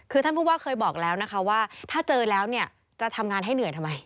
คือท่านผู้ว่าเคยบอกแล้วนะคะว่าถ้าเจอแล้วเนี่ยจะทำงานให้เหนื่อยทำไม